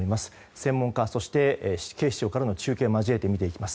専門家そして警視庁からの中継を交えて見ていきます。